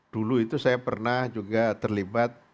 dulu itu saya pernah juga terlibat